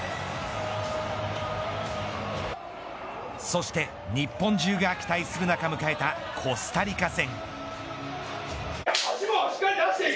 そして日本中が期待する中、迎えたコスタリカ戦。